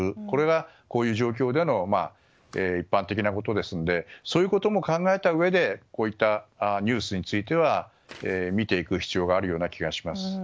これが、こういう状況での一般的なことですのでそういうことも考えたうえでこういったニュースについては見ていく必要があるような気がします。